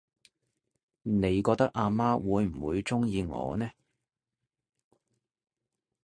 你覺得阿媽會唔會鍾意我呢？